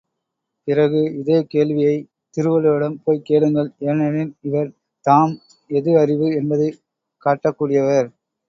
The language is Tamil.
பிறகு இதே கேள்வியைத் திருவள்ளுவரிடம் போய்க் கேளுங்கள், ஏனெனில், இவர் தாம் எது அறிவு? என்பதைக் காட்டகூடியவர்.